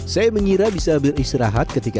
saya mengira bisa beristirahat ketika